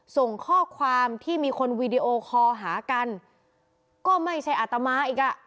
ส่งข้อความที่มีคนวีดีโอคอหากันก็ไม่ใช่อาตมาอีกอ่ะ